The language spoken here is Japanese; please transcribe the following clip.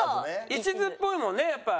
一途っぽいもんねやっぱ。